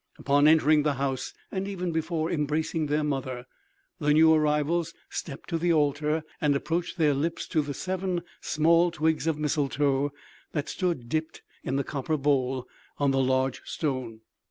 Upon entering the house, and even before embracing their mother, the new arrivals stepped to the altar and approached their lips to the seven small twigs of mistletoe that stood dipped in the copper bowl on the large stone.